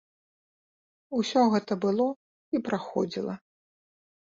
Усё гэта было і праходзіла.